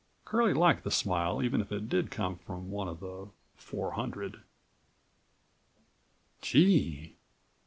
Curlie liked the smile even if it did come from one of the "four hundred." "Gee!